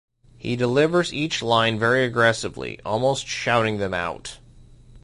He delivers each line very aggressively, almost shouting them out.